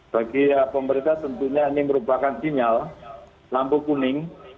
bagi pemerintah tentunya ini merupakan sinyal lampu kuning